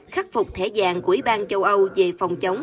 khắc phục thẻ vàng của ủy ban châu âu về phòng chống